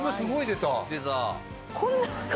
出た。